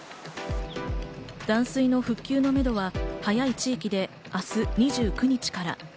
断水の復旧のめどは早い地域で明日２９日から。